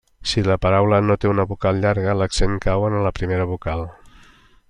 Si la paraula no té una vocal llarga, l'accent cau en la primera vocal.